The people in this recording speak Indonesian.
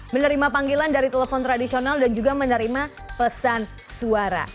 menerima panggilan dari telepon tradisional dan juga menerima pesan suara